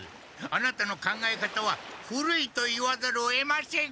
アナタの考え方は古いと言わざるをえません。